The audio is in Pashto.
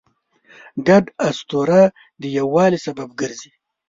ګډ اسطوره د یووالي سبب ګرځي.